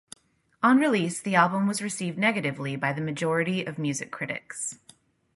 On release, the album was received negatively by the majority of music critics.